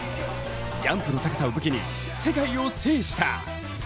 ジャンプの高さを武器に世界を制した。